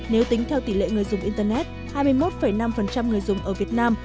nếu tính theo tỷ lệ người dùng internet hai mươi một năm người dùng ở việt nam